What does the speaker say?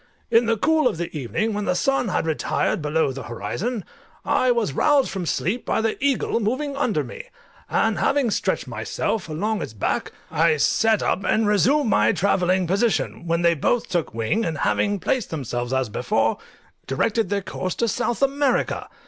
In the cool of the evening, when the sun had retired below the horizon, I was roused from sleep by the eagle moving under me; and having stretched myself along its back, I sat up, and reassumed my travelling position, when they both took wing, and having placed themselves as before, directed their course to South America.